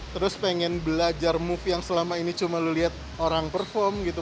terus pengen belajar move yang selama ini cuma lo lihat orang perform gitu